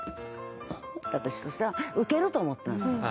私としてはウケると思ったんです。